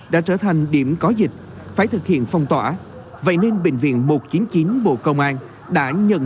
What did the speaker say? đã trở thành điểm có dịch phải thực hiện phong tỏa vậy nên bệnh viện một trăm chín mươi chín bộ công an đã nhận